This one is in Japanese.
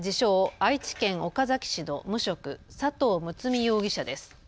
愛知県岡崎市の無職、佐藤睦容疑者です。